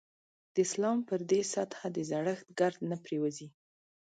د اسلام پر دې سطح د زړښت ګرد نه پرېوځي.